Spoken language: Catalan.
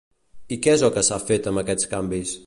I què és el que s'ha fet amb aquests canvis?